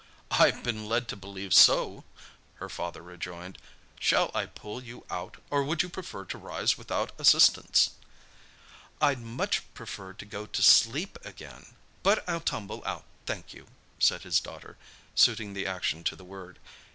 "I've been led to believe so," her father rejoined. "Shall I pull you out, or would you prefer to rise without assistance?" "I'd much prefer to go to sleep again—but I'll tumble out, thank you," said his daughter, suiting the action to the word.